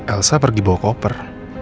elsa pergi bawa koper